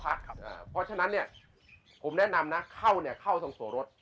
เพราะฉะนั้นเนี่ยผมแนะนำนะเข้าเนี่ยเข้าตรงสัวรถ